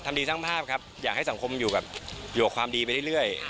ดีสร้างภาพครับอยากให้สังคมอยู่กับความดีไปเรื่อย